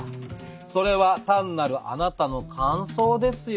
「それは単なるあなたの感想ですよね？」。